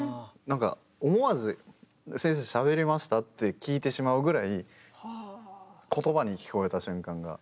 なんか思わず先生しゃべりました？って聞いてしまうぐらい言葉に聞こえた瞬間が。